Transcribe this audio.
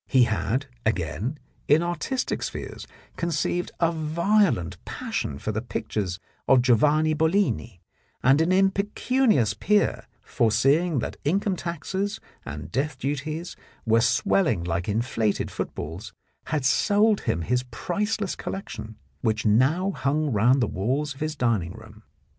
He had, again, in artistic spheres, conceived a violent passion for the pictures of Giovanni Bollini, and an impecunious peer, foreseeing that income taxes and death duties were swelling like inflated footballs, had sold him his priceless collection, which now hung round the walls of his dining room.